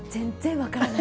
分からない？